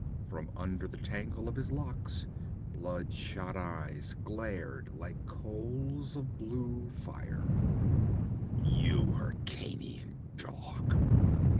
From under the tangle of his locks, bloodshot eyes glared like coals of blue fire. 'You Hyrkanian dog!'